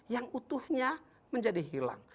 yang utuhnya menjadi hilang